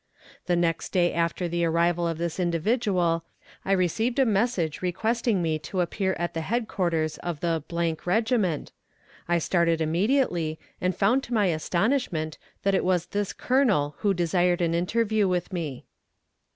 The next day after the arrival of this individual I received a message requesting me to appear at the headquarters of the regiment. I started immediately, and found to my astonishment that it was this Colonel who desired an interview with me.